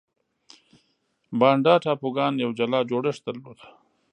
بانډا ټاپوګان یو جلا جوړښت درلود.